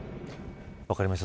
分かりました。